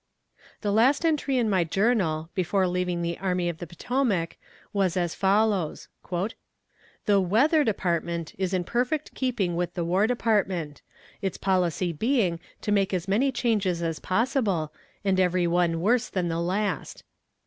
The last entry in my journal, before leaving the Army of the Potomac, was as follows: "The weather department is in perfect keeping with the War Department; its policy being to make as many changes as possible, and every one worse than the last.